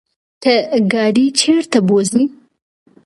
ته ګاډی چرته بوځې؟